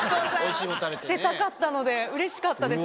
出たかったのでうれしかったです。